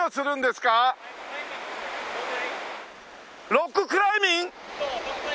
そうロッククライミング。